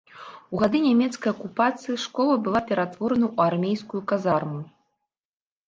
У гады нямецкай акупацыі школа была ператворана ў армейскую казарму.